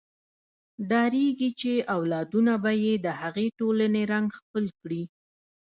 ډارېږي چې اولادونه به یې د هغې ټولنې رنګ خپل کړي.